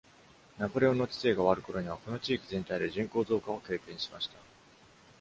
ナポレオンの治世が終わる頃には、この地域全体で人口増加を経験しました。